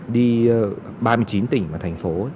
đi ba mươi chín tỉnh và thành phố